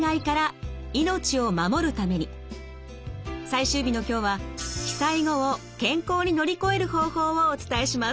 最終日の今日は被災後を健康に乗り越える方法をお伝えします。